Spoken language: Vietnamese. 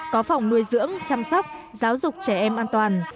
có phòng nuôi dưỡng chăm sóc giáo dục trẻ em an toàn